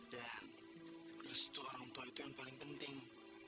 dan ilustu orang tua itu yang paling penting